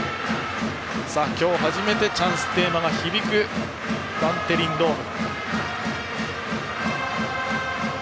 今日初めてチャンステーマが響くバンテリンドーム。